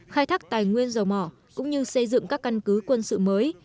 khai thác tài nguyên dầu mỏ cũng như xây dựng các căn cứ quân sự mới